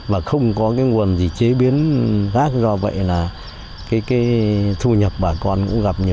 mà không có cái nguồn gì chế biến rác do vậy là cái thu nhập bà con cũng gặp nhiều